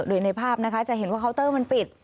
โดยในภาพนะคะจะเห็นว่าเคาน์เตอร์มันปิด